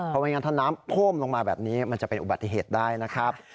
เพราะไม่งั้นถ้าน้ำท่วมลงมาแบบนี้มันจะเป็นอุบัติเหตุได้นะครับ